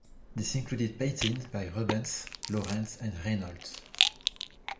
This included paintings by Rubens, Lawrence and Reynolds.